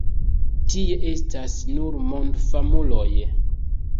Tie estas nur mondfamuloj.